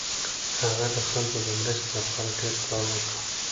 هغه د خلکو د مرستې لپاره ډېر کار وکړ.